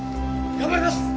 頑張ります！